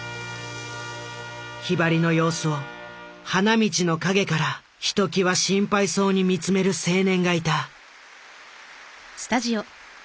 ひばりの様子を花道の陰からひときわ心配そうに見つめる青年がいた。